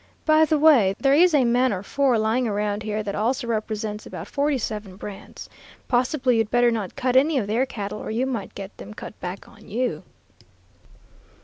By the way, there is a man or four lying around here that also represents about forty seven brands. Possibly you'd better not cut any of their cattle or you might get them cut back on you."